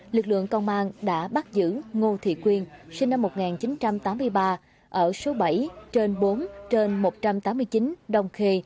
lực lượng công an đã bắt giữ ngô thị quyên sinh năm một nghìn chín trăm tám mươi ba ở số bảy trên bốn trên một trăm tám mươi chín đông khê